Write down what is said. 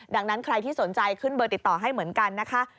ดังนั้นใครที่สนใจขึ้นเบอร์ติดต่อให้เหมือนกันนะคะ